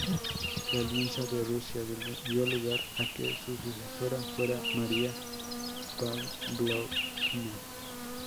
La alianza de Rusia dio lugar a que su sucesora fuera María Pávlovna.